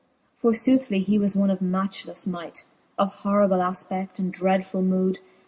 For foothly he was one of matchlelfe might, Of horrible afpe6i:, and dreadfuU mood.